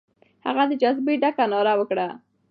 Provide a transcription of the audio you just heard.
هغه د جذبې ډکه ناره وکړه.